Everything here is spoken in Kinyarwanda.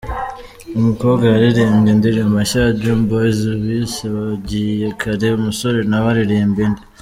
Umukobwa yaririmbye indirimbo nshya ya Dream Boys bise 'Wagiye Kare', umusore nawe aririmba indi.